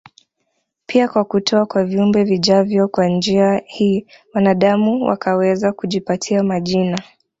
pia kwa kutoa kwa viumbe vijavyo Kwa njia hii wanaadamu wakaweza kujipatia majina